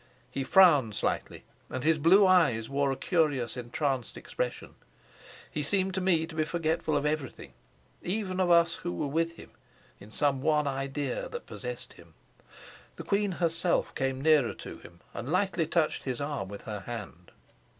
He frowned slightly, and his blue eyes wore a curious entranced expression. He seemed to me to be forgetful of everything, even of us who were with him, in some one idea that possessed him. The queen herself came nearer to him and lightly touched his arm with her hand.